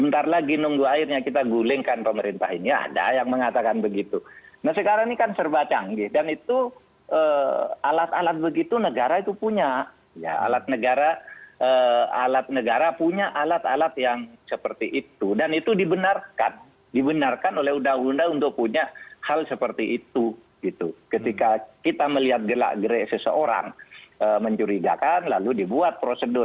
dari ratusan orang itu